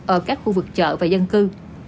ở các khu vực chợ và dân cư